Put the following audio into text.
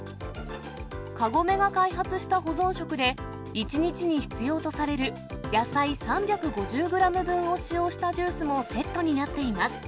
カゴメが開発した保存食で、１日に必要とされる野菜３５０グラム分を使用したジュースもセッ